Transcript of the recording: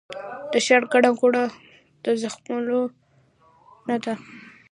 د ښار ګڼه ګوڼه د زغملو نه ده